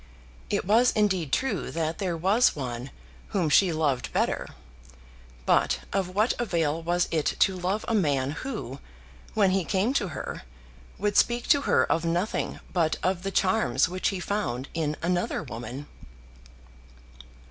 It was indeed true that there was one whom she loved better; but of what avail was it to love a man who, when he came to her, would speak to her of nothing but of the charms which he found in another woman!